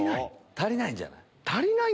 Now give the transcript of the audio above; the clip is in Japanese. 足りないんじゃない？